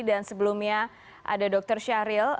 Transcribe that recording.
dan sebelumnya ada dokter syahril